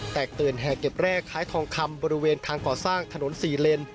ตื่นแห่เก็บแรกคล้ายทองคำบริเวณทางก่อสร้างถนน๔เลน